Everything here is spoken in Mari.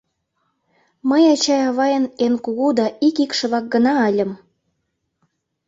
Мый ачай-авайын эн кугу да ик икшывак гына ыльым.